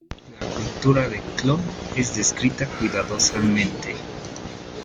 La cultura de Tlön es descrita cuidadosamente.